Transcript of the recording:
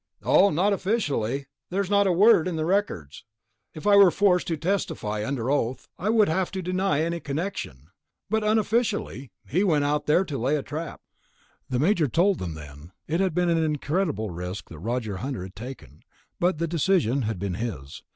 "Oh, not officially. There's not a word in the records. If I were forced to testify under oath, I would have to deny any connection. But unofficially, he went out there to lay a trap." The Major told them then. It had been an incredible risk that Roger Hunter had taken, but the decision had been his.